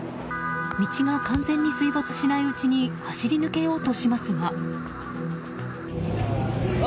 道が完全に水没しないうちに走り抜けようとしますが。